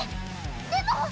でも！